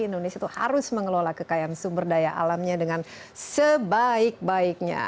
indonesia itu harus mengelola kekayaan sumber daya alamnya dengan sebaik baiknya